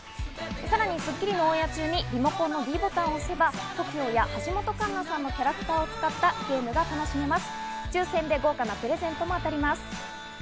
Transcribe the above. さらに『スッキリ』のオンエア中にリモコンのｄボタンを押せばＴＯＫＩＯや橋本環奈さんのキャラクターを使ったゲームが楽しめます。